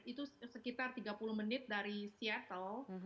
itu sekitar tiga puluh menit dari seattle